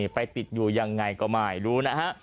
ไปติดอยู่ยังไงก็ไม่รู้นะฮะ